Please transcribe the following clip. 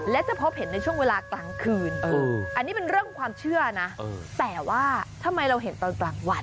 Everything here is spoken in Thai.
และจะพบเห็นในช่วงเวลากลางคืนอันนี้เป็นเรื่องความเชื่อนะแต่ว่าทำไมเราเห็นตอนกลางวัน